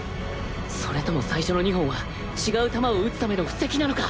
それとも最初の２本は違う球を打つための布石なのか！？